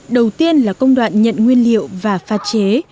đầu tiên là công đoạn nhận nguyên liệu và pha chế